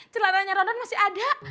celananya ronan masih ada